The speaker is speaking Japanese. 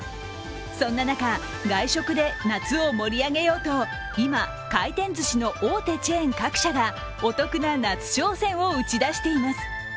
そんな中、外食で夏を盛り上げようと今、回転ずしの大手チェーン各社がお得な夏商戦を打ち出しています。